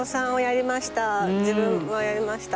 自分もやりました。